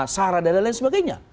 sarah dan lain lain sebagainya